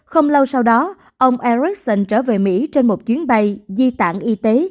không lâu sau đó ông ericsson trở về mỹ trên một chuyến bay di tản y tế